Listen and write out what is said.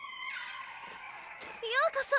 ようこそ！